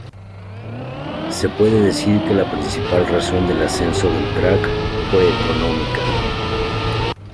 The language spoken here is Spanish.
Se puede decir que la principal razón del ascenso del crack fue económica.